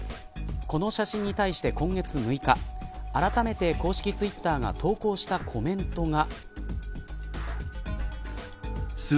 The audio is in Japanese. この写真に対して今月６日あらためて公式ツイッターが投稿したコメントが。